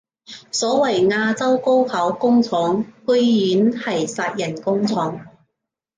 所謂亞洲高考工廠居然係殺人工廠